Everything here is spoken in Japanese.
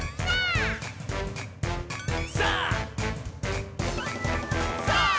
さあ！